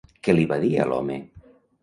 Què li va dir a l'home?